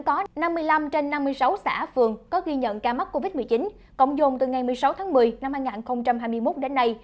có năm mươi năm trên năm mươi sáu xã phường có ghi nhận ca mắc covid một mươi chín cộng dồn từ ngày một mươi sáu tháng một mươi năm hai nghìn hai mươi một đến nay